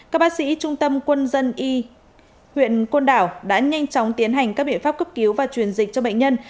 các bác sĩ trung tâm quân dân y huyện côn đảo đã nhanh chóng tiến hành các biện pháp cấp cứu và truyền dịch cho bệnh nhân